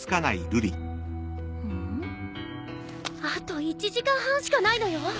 あと１時間半しかないのよ。